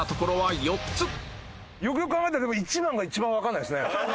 よくよく考えたらでも１番が一番わかんないですね。